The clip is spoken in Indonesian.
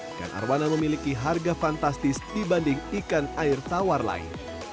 ikan arwana memiliki harga fantastis dibanding ikan air tawar lain